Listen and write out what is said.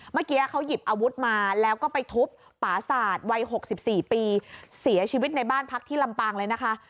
เมื่อกี้เขาหยิบอาวุธมาแล้วก็ไปทุบป่าศาสตร์วัย๖๔ปีเสียชีวิตในบ้านพักที่ลำปางเลยนะคะ